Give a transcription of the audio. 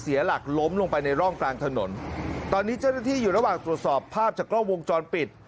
เสียหลักล้มลงไปในร่องกลางถนนตอนนี้เจ้าหน้าที่อยู่ระหว่างตรวจสอบภาพจากกล้องวงจรปิด